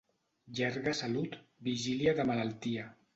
Llarga salut, vigília de malaltia.